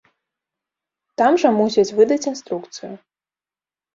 Там жа мусяць выдаць інструкцыю.